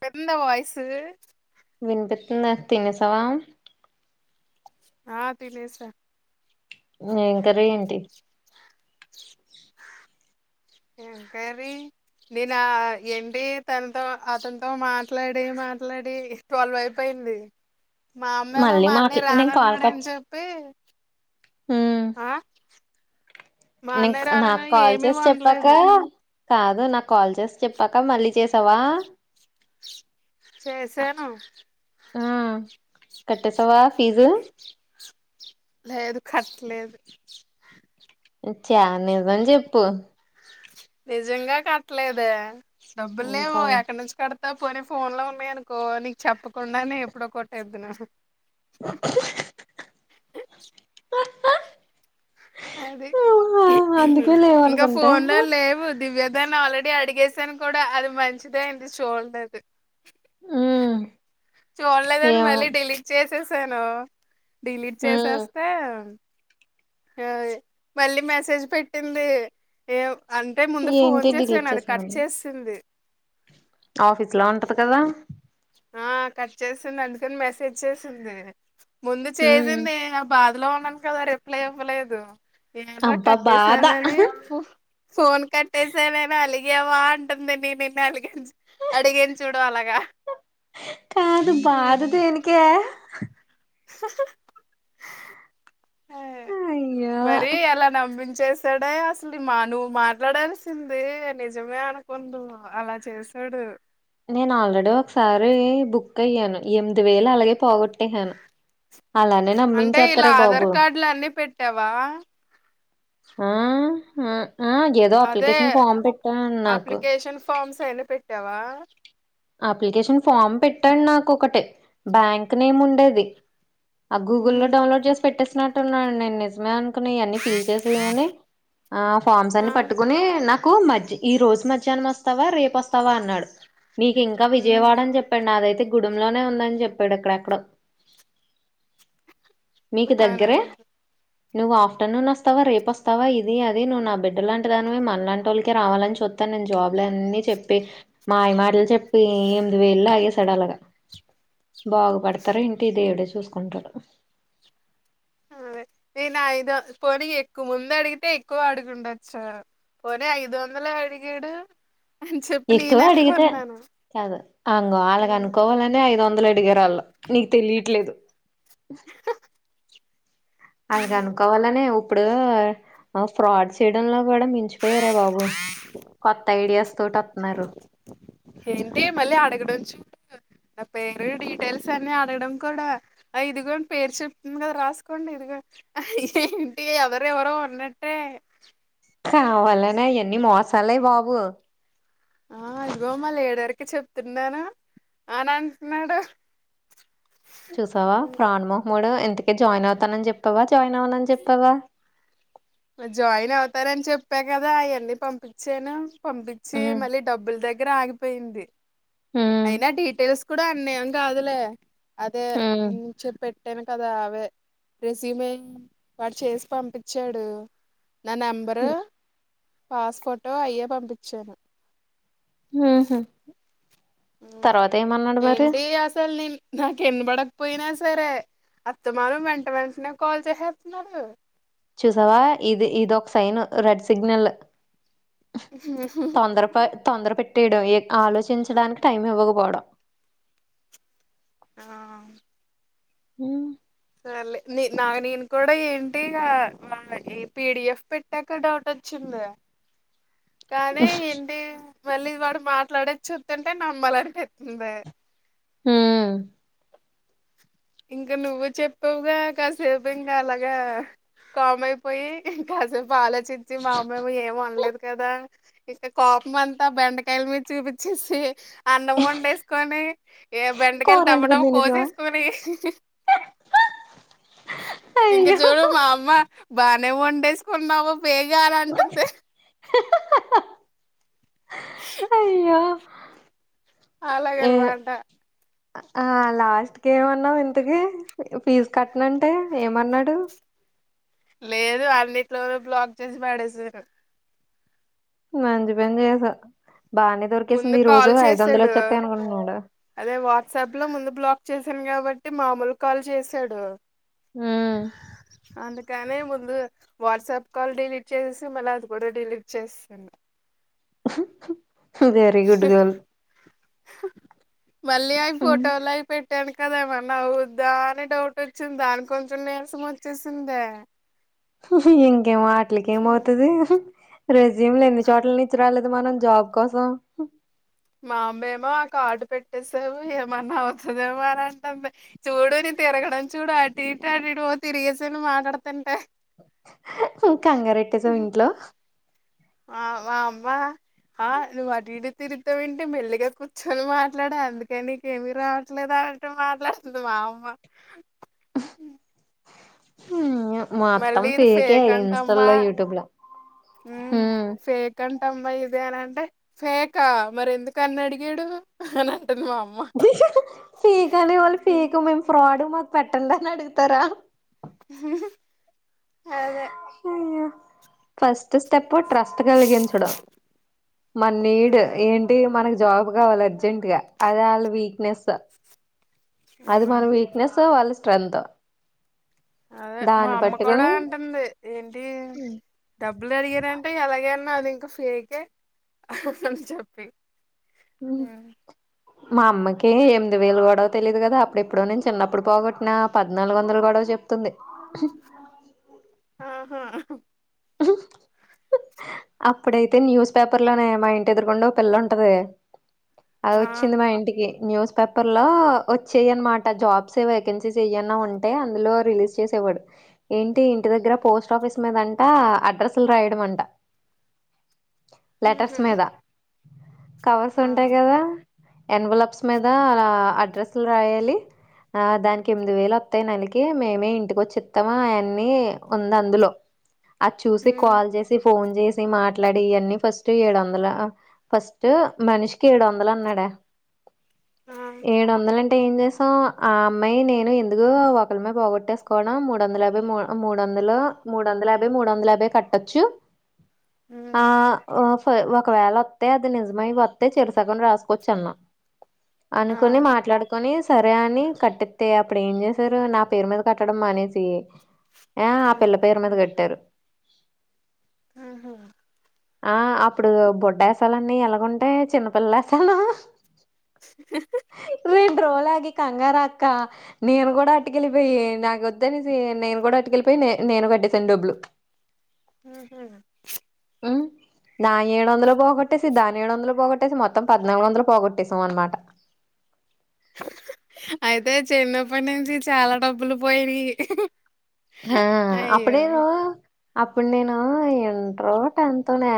పెరింత వయసు వినిపిస్తుందా తినేసవా ఆ తినేస ఏం కర్రీ ఏంటి ఎంకా నేను ఏంటి తనతో అతనితో మాట్లాడి మాట్లాడి స్వాల్వ్ అయిపోయింది మా అమ్మమో మళ్ళీ మా అన్న మాట్లా రానన్నాడని చెప్పి ఆ ఆ మా అన్నయ్య నేను రానని నాకు కాల్ ఏమీ చేసి చెప్పాక వండలేదు కాదు నాకు కాల్ చేసి చెప్పాక మళ్ళీ చేసావా చేసాను ఆ కట్టే సవా లేదు కట్టలేదు చా నదాం చెప్పు నిజంగా కట్టలేద డబ్బుల్మో పోనీ ఎక్కడి నుంచి కడతా పోనీ ఫోన్ లో ఉన్నాయి అనుకో నీకు చెప్పకుండా నే ఎప్పుడో కొట్టేద్దున్నాను అది అందుకే ఇంకా లేవనుకుంటా ఫోన్ లేవు దివ్య దాన్ని ఆల్రెడీ అడిగసాను కూడా అది మంచిదే అంటిల్డ అది ఉమ్ చూడలేదని ఏమో మళ్ళీ డెలీట్ చేసి సను డిలీట్ ఉమ్ చేసేస్తే అ మళ్ళీ మెసేజ్ పెట్టింది ఏం అంటే ముందు ఫోన్ ఏంటి డిలీట్ చేసాను అది కట్ చేసామని చేసింది ఆఫీస్ లా ఉంటది కదా ఆ కట్ చేసింది అందుకని మెసేజ్ చేసింది ముందు ఉమ్ చేసింది నా బాధ ఇందులో ఉన్నాను కదా ర రిప్లై ఇవ్వలేదు ఏనరా అబ్బా బాధ కట్టేసాన ఫోన్ కట్టేసా నేను అలాగ అడిగావ అంటుంది నే నిన్న అలిగను అడిగను చూడు అలాగ కాదు బాధ దేనికే స స అయ్యో మరి అలా నవ్విన్ చేశాడే అసలు మా నువ్వు మాట్లాడాల్సింది నిజమే అనుకుందుము అలా చేశాడు నేను ఆల్రెడీ ఒకసారి బుక్ అయ్యాను ఎనిమిది వేల అలాగే పోగొట్ అంటే ఇలా బాబు ఆధార్ కార్డులు అన్ని పెట్టావా మ్మ్ మ్మ్ ఆ ఏదో అదే అప్లికషన్ ఫామ్ పెట్టాన్నాకు పైన పెట్టావా అప్లికేషన్ ఫామ్ పెట్టాండి నాకొకటి బ్యాంక్ నేమ్ ఉండేది ఆ గూగుల్లో లో ఉమ్, డౌన్లోడ్ చేసి పెట్టేస్ విన్నట్టున్నాను నేను నిజమే అన్ కొని అన్ని ఫిల్ చేసుకొని ఆ ఫార్మ్స్ అన్ని ఆ పట్టుకుని నాకు మ ఈ రోజు మధ్యానం వస్తావా రేపొస్తావా అన్నాడు మీకింకా ఉమ్ విజయవాడ అని చెప్పాడు నాదైతే గూడెం లోనే ఉందని చెప్పాడు అక్కడెక్కడో మీకు బానే దగ్గరే ఉంది నువ్వు ఆఫ్టర్నూన్ వస్తావా రేపు వస్తావా ఇది అది నువ్వు నా బిడ్డ లాంటి దానివి మనలాంటోళ్ళకే రావాలని చూత్తను నేను జాబ్ అన్నీ చెప్పి మాయ మాటలు చెప్పి ఎనిమిది వేలు లాగేస్ సడలగ బాగుపడతారు ఏంటి దేవుడే చూ చూసుకుంటాడు అదే నేను ఐదు పోనీ ఎక్కువ ముందు అడిగితే ఎక్కువ అడుకుండొచ్చు పోనీ ఐదు వందలే అడిగాడు అని చెప్పి ఎక్కువ నేనే అడిగితే అనుకున్నాను కాదు అంగ ఉమ్ అలాగానుకోవాలని ఐదు వన్ దలు అడిగారు వాళ్ళ నీకు తెలీట్లేదు అలగనుకోవాలనే ఇప్పుడు ఆ ఫ్రాడ్ చేయడంలో కూడా మించు పోయారే బాబు కొత్త ఐడియాస్ తోటి వత్తన్నారు ఏంటి మళ్ళీ అడగడం చూ నా పేరు డీటెయిల్స్ అన్ని అడగడం కూడా ఇదిగోని పేరు చెప్తుంది కదా రాసుకోండి ఇదిగో ఏంటి ఎవరెవరో ఉన్నట్టే కావాలనే అయన్ న్ని మోసాలే బాబు ఆ ఇదిగో మా లీడర్కి చెప్తున్నాను అన అంట్నాడు చూసావా ప్రాణ్ మోహముడు. ఇంతకే జాయిన్ అవుతానని చెప్పావా. జాయిన్ అవనని చెప్పావా. జాయిన్ అవుతాని చెప్పా కదా. అయ్యన్నీ పంపించాను. పంపించి హ్మ్ మళ్ళీ డబ్బులు దగ్ గ్గర ఆగిపోయింది. హ్మ్ అయినా డీటెయిల్స్ కూడా ఆ మేం గాదులే అదే హ్మ్ హ్మ్. ఉమ్మ్ చెప్పెట్ కాట్టేను కదా అవే. రిస్యూమేన్ వాడు చేసి పంపించాడు. నా నెంబరు పాస్పోర్టో అయ్యే పంపిచ్చాను ఉహ్ హా ఉమ్ ఏంటి అసలు నేన్ నాకేన్నీ పడకపోయినా సరే. అత్తమనం వెంట వెంట్నే కాల్ చేహేత్న్నాడు చూసావా ఇది ఇది ఒక సైన్ రెడ్ సిగ్నల్ తొందర ప [inaudible] తొందర పెట్ ట్టేయ్డం ఏ ఆలోచించడానిక్ టైం ఇవ్వకపోవడం. ఆహ్ ఉహ్మ్ ల్లే నే నా నేను కూడా ఏంటి ఇగా వాడ్ పీ. డి. ఎఫ్ పెట్టాక డౌట్ వచ్చిందే. కానీ ఎంటి మళ్ళీ వాడు మాట్లాడేది. చూత్తుటే నమ్మాలనిపితుందే ఉహ్మ్ ఇంగా నువ్వు చెప్పావుగా. కాసేపు ఇంగా అలాగా కామ్ అయిపోయి. కాసేపు ఆలో చిచ్చి. మా అమ్మేమో ఏం వండ్లేదు కదా. ఇంక కోపం అంతా బెండకాయల మీద చూపిచ్చేసి. అన్నం వండేసుకొని. ఏ బెండకాయలు కూర వండుకొని డవ్వడవ్వ తినేసావా కోసేసుకొని. ఇంక అయ్యో చూడు మా అమ్మ బా నే వండేసుకున్నావు. పేగలాంటంది. అయ్యో [inaudible] ఏ అలాగన్మాట ఆ లాస్ట్ కి ఏమన్నావు ఇంతకి ఫీజు కట్నంటే ఏమన్నాడు లేదు అన్నిట్లోను బ్లాక్ చేసి పడేసారు మంచి పని చేశావ్ బాగానే ముందు దొరికేసింది ఈ రోజు కాల్ ఐదు వందలు వచ్చేస్తాయి అనుకుంటున్నాడు ట్సబ్ లో ముందు బ్లాక్ చేసాను కాబట్టి మామూలు కాల్ చేశాడు. ఉహ్ కాని ముందు వాట్సాప్ కాల్ డిలీట్ చేసేసి మళ్ళ అది కూడా డిలీట్ చేసేసింది. వెరీ గుడ్ గర్ల్ మళ్ళీ అవి ఫోటోలవి పెట్ పెట్టాను కద ఏమన్నా అవ్వుద్దా అని డౌట్ వచ్చింది. దానికి కొంచెం నీరసం వచ్చేసిందే. ఏం వాట్లకి ఏమవ్తది రెజీమ్లు ఎన్ని ఆ చోట్ల నుంచి రాలేదు మనం జాబ్ కోసం మా అమ్మేమో ఆ కాడు పెట్టేసావు ఏమన్నా అవ్తదేమో అని అంటంది చూడు నేన్ తిరగడం చూడు అటు అటు అట్ ఇట్ తిరిగేసాను మాట్లాడ్తంటే కంగారెటెసావా ఇంట్లో ఆ వా అమ్మ ఆ నువ్వు అటు ఇటు తిరుగుతావెంటి మెల్లిగా కూర్చొని మాట్లాడ అందుకని నీకేమి రావట్లేదా అంటు మాట్లాడుతుంది మా అమ్మ హ్మ్ మొత్తం మళ్ళీ ఇది ఫేక్ యే అంటమ్మా ఇన్స్టాలో యూట్యూబ్ లో హ్మ్ టమ్మా ఇది అని అంటే ఫేకా మరి ఎందుక అన్న అడిగాడు అ ఫేక్ అనే వాళ్ళు ఫేకు మేం ఫ్రాడు మా పెట్టండి అని అడుగుతారా ఆదే అయ్యో ఫస్ట్ స్టెప్ ప్పు ట్రస్ట్ కలిగించడం మన నీడ్ ఉమ్ ఏంటి మనకి జాబ్ కావాలి అర్జెంట్గా అదే ఆళ్ళ వీక్నెసు అది మన ఉమ్ వీక్నెస్ వాళ్ళ టెంత్ అదే మా అమ్మ కూడా అంటంది ఏంటి డబ్బులు అడిగారంటే ఎలాగ నాది ఇంక ఫేకే అని చెప్పి హ్మ్ మా అమ్మకి ఎంమిది వేల గొడవ తెలియదు కదా అప్పుడు ఎప్పుడో నేను చిన్నప్పుడు పోగొట్టిన పద్నాలుగు వందల గొడవ చెప్తుంది ఆహా అప్పుడైతే న్యూస్ పేపర్లోనే మా ఇంటి ఎదురుగుండ ఓపిల్ల ఉంటది అది ఆ వచ్చింది మా ఇంటికి న్యూస్ పేపర్ లో వచ్చేయ్ అన్నమాట. జాబ్స్ ఏ వేకెన్సీస్ ఏయను అంటే అందులో రిలీజ్ చేసేవాడు. ఏంటి ఇంటి దగ్గర పోస్ట్ ఆఫీస్ మీద అం అడ్రస్సులు రాయడం అంట లెటర్స్ ఉహు మీద కవర్స్ ఆ ఉంటాయి కదా ఎన్వలప్స్ మీద ఆ అద్ అడ్రస్లు రాయాలి ఆ దానికి ఎనిమిది వేలు వత్తాయి. నెలకి మేమే ఇంటికి వచ్చి ఇత్తము. అవన్నీ ఉంది అందులో అచ్చుసి ఉమ్ కాల్ చేసి ఫోన్ చేసి మాట్లాడి ఇవన్నీ ఫస్ట్ ఏడు వందల ఫస్ట్ మనిషికి ఏడు వందలు అన్నాడా ఆ ఏడు వందలన్ అంటే ఏం చేసాం. ఆ అమ్మాయి నేను ఎందుకు ఒకరిమే పోగొట్టేసుకోవడం. మూడు వందల యాభై మూడు వందలు మూడు వందల యాభై మూడు వందల యాభై కట్టొచ్చు ఆ ఉమ్ ఒ ఒకవేళ వత్తే అది నిజమై వత్తే చెరుసగం రాసుకోచ్చు అన్న ఆ అనుకొని మాట్లాడుకొనిస్ సరే అని కట్టెతే అప్పుడు ఏం చేసారు. నా పేరు మీద కట్టడం మానేసి ఆ ఆ ఉమ్ పిల్ల పేరు మీద కట్ బట్టారు ఆహా ఆ అప్పుడు బొడ్డ ఏసాలన్నీ ఎలాగుంటాయ్ చిన్నపిల్ల వేసాలు మీ డ్రోల్ ఆగి కంగార క నేను కూడా అటుకెళ్ళిపోయి నాకు వద్దనేసి నేను కూడా అటుకెళ్ళిపోయి నేను గడ్ సెన్డబ్లు ఉహు నా ఏడు వందలు పోగొట్టేసి దాని ఏడు వందలు పోగొట్టేసి మొత్తం పద్నాలుగు వందలు పోగొట్టేసాం అనమాట అయితే చిన్నప్పటి నుంచి చాలా డబ్బులు పోయినయి ఆ అప్పుడే అప్పుడు నేను ఇంట్రో టెంతో నే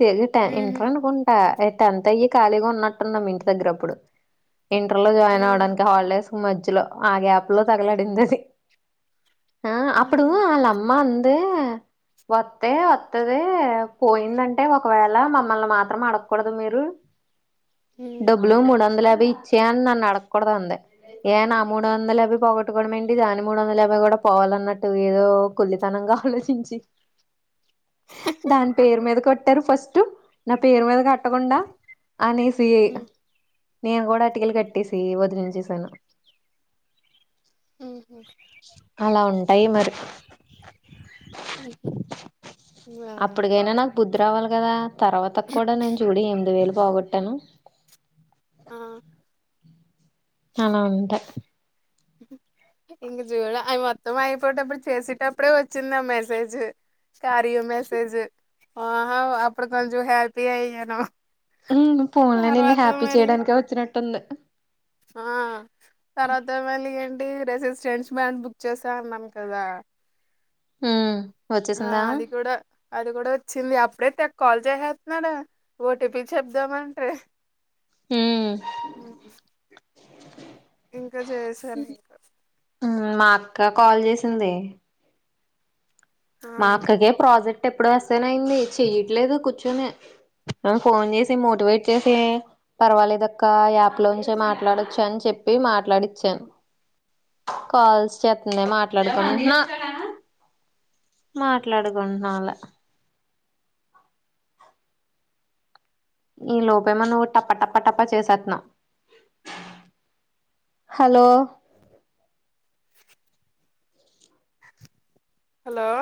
తిగిటా ఉహు ఇంటర్ అనుకుంటా టెన్త్ అయ్యి ఖాళీగా ఉన్నట్టు ఉన్నాం ఇంటి దగ్గర అప్పుడు ఇంటర్ లో ఆ జాయిన్ అవ్వడానికి హాలిడేస్ మధ్యలో ఆ గ్యాప్ లో తగలడింది అది ఆ అప్పుడు ఉహు అల అమ్మా అ వత్తే వత్తది పోయిందంటే ఒకవేళ మమ్మల్ని మాత్రం అడగకూడదు మీరు ఉమ్ డబ్బులు మూడు వందల యా బ్ ఇచ్చే నన్నీ ఆడకూడదు అంది ఏ నా మూడు వందల యాభై పొగొట్టుకోవడం ఏంటి దాని మూడు వందల యాభై కూడా పోవాలన్నట్టు ఏదో కుల్లితనంగా ఆలోచించి దాని పేరు మీద కొట్ట టారు ఫస్ట్ నా పేరు మీద క ట్టగుండ ఆనేసి నేను కూడా అటికలు కట్టేసి వదిలించేసాను ఉహు అలా ఉంటాయి మరి అప్పుటికైనా నాకు బుద్ధి రావాలి కదా తర్వాత కూడా నేను చూడి ఎనిమిది వేలు పోగొట్టాను ఆ అన వుంటా ఇంక చూడ అవి మొత్తం అయిపోయటప్పుడు చేసేటప్పుడే వచ్చిందా మెసేజ్ కార్య మెసేజ్ ఆహా అప్పుడు కొంచెం హ్యాపి అయ్యాను ఫోన్ లో నిన్ను తర్వాత హ్యాపీ మళ్ళీ చేయడానికే వచ్చినట్టు తుంది ఆ తర్వాత మళ్ళీ ఏంటి రెసిస్టెంట్స్ బ్యాం బుక్ చేసా అన్నను కదా ఉ ఆ అది కూడా అది కూడా వచ్చింది అప్పుడే ట్టే కాల్ చేసేస్తున్నాడు ఓటీపీ చెప్దామంటే ఉమ్ హు ఇంకా చేసారు ఇంకా మా అక్క కాల్ చేసింది ఆ మా అక్కకే ప్రాజెక్ట్ ఎప్పుడో అసైన్ అయింది చెయట్లేదు కూర్చుని ఫోన్ చేసి మోటివేట్ చేసి పర్వాలేదక్క యాప్ లోంచే మాట్లాడచ్చు అని చెప్పి మాట్లాడిచ్చాను కాల్స్ చేత్తుంది మాట్లాడుకుంటు మాట్లాడుకుంటున్నా అలా ఈ లోపే మో నువ్వు టప్ప టప్ప టప్ప చేసేస్తున్నావ్ హలో హలో